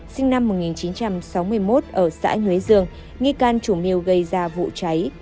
sinh năm một nghìn chín trăm sáu mươi một ở xã nhuế dương nghi can chủ mưu gây ra vụ cháy